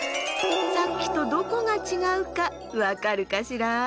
さっきとどこがちがうかわかるかしら？